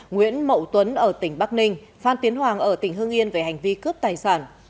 nguyễn mậu tuấn ở tỉnh bắc ninh phan tiến hoàng ở tỉnh hương yên về hành vi cướp tài sản